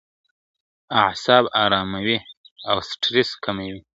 • اعصاب اراموي او سټرس کموي